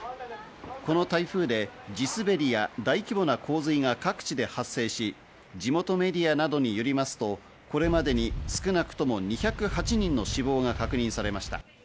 この台風で地すべりや大規模な洪水が各地で発生し、地元メディアなどによりますと、これまでに少なくとも２０８人の死亡が確認されました。